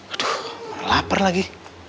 aduh bener bener lapar lagi